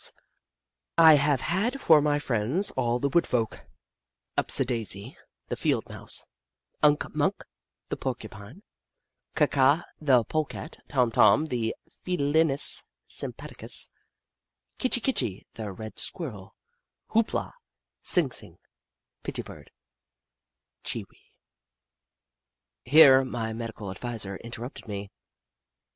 Snoof 55 I have had for my friends all the wood folk — Upsidaisi, the Field Mouse, Unk Munk, the Porcupine, Ka Ka, the Pole Cat, Tom Tom, the felinis simpatiais, Kitchi Kitchi, the Red Squirrel, Hoop La, Sing Sing, Pitti Bird, Chee Wee " Here my medical adviser interrupted me.